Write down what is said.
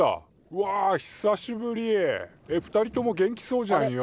わ久しぶり。え２人とも元気そうじゃんよ。